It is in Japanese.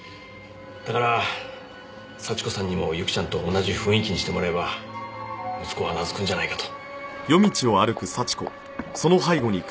だから幸子さんにもユキちゃんと同じ雰囲気にしてもらえば息子は懐くんじゃないかと。